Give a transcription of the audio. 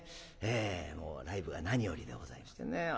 えもうライブが何よりでございまして。